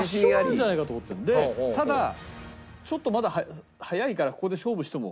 ただちょっとまだ早いからここで勝負しても。